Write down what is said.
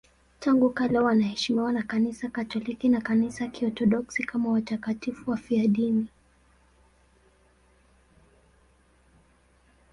Tangu kale wanaheshimiwa na Kanisa Katoliki na Kanisa la Kiorthodoksi kama watakatifu wafiadini.